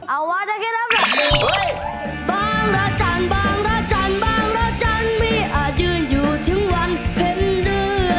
เอาว่าได้แค่นั้นแหละ